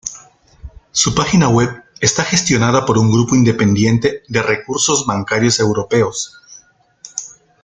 Su página web está gestionada por un grupo independiente de Recursos Bancarios Europeos.